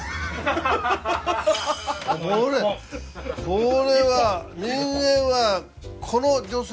これは人間は。